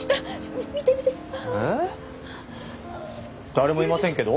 誰もいませんけど？